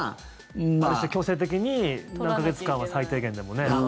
ある種、強制的に何か月間は最低限でもね。